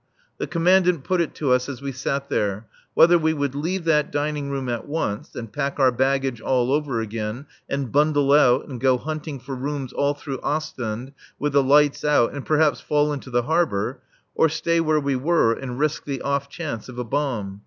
The Commandant put it to us as we sat there: Whether would we leave that dining room at once and pack our baggage all over again, and bundle out, and go hunting for rooms all through Ostend with the lights out, and perhaps fall into the harbour; or stay where we were and risk the off chance of a bomb?